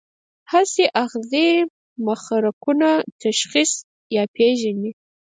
حسي آخذې محرکونه تشخیص یا پېژني.